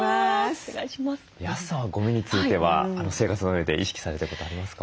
安さんはゴミについては生活のうえで意識されてることありますか？